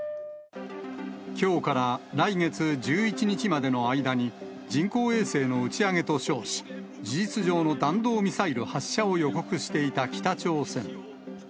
きょうから来月１１日までの間に、人工衛星の打ち上げと称し、事実上の弾道ミサイル発射を予告していた北朝鮮。